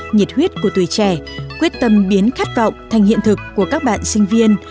nhiệt huyết của tuổi trẻ quyết tâm biến khát vọng thành hiện thực của các bạn sinh viên